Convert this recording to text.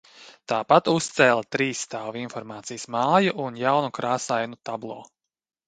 Tāpat uzcēla trīsstāvu informācijas māju un jaunu krāsainu tablo.